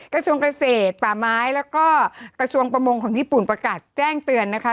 กระทรวงเกษตรป่าไม้แล้วก็กระทรวงประมงของญี่ปุ่นประกาศแจ้งเตือนนะคะ